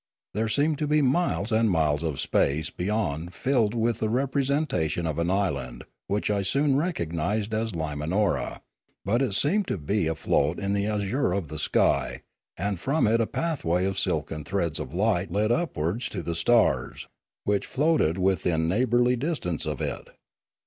There seemed to be miles and miles of space beyond filled with a representation of an island which I soon recognised as Limanora; but it seemed to be afloat in the azure of the sky, and from it a pathway of silken threads of light led upwards to the stars, which floated within neighbourly distance of it.